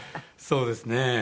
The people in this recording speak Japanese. そうですね